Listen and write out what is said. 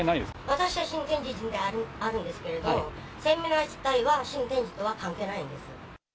私は新天地人ではあるんですけれども、セミナー自体は新天地とは関係ないんです。